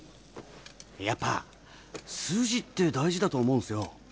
やっぱ筋って大事だと思うんすよ。